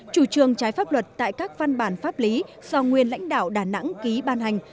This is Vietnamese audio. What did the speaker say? chủ trương trái pháp luật tại các văn bản pháp lý do nguyên lãnh đạo đà nẵng ký ban hành